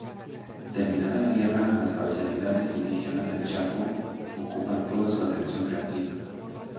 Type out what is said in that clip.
Terminada la guerra, las parcialidades indígenas del Chaco ocupan toda su atención creativa.